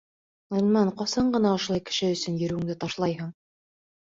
Ғилман, ҡасан ғына ошолай кеше өсөн йөрөүеңде ташлайһың?